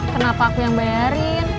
kenapa aku yang bayarin